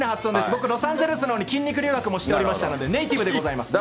僕、ロサンゼルスのほうに筋肉留学もしておりましたので、ネイティブでございます。